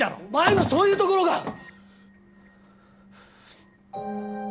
お前のそういうところが！